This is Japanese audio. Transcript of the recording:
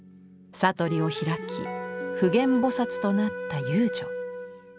悟りを開き普賢菩となった遊女。